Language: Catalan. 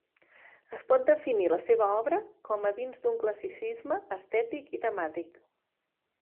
Es pot definir la seva obra com dins d'un classicisme estètic i temàtic.